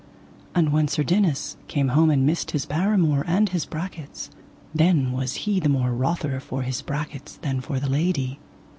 And when Sir Dinas came home and missed his paramour and his brachets, then was he the more wrother for his brachets than for the lady.